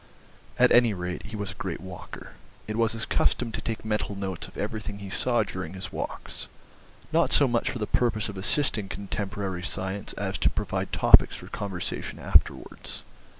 At any rate, he was a great walker. It was his custom to take mental notes of everything he saw during his walks, not so much for the purpose of assisting contemporary science as to provide topics for conversation afterwards.